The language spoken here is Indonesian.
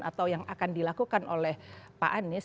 atau yang akan dilakukan oleh pak anies